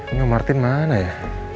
ini martin mana ya